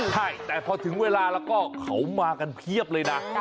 ใช่แต่พอถึงเวลาแล้วก็เขามากันเพียบเลยนะ